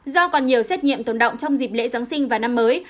do còn nhiều xét nghiệm tồn động trong dịp lễ giáng sinh và năm mới